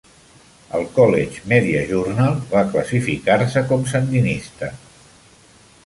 El "College Media Journal" va classificar-se com "Sandinista".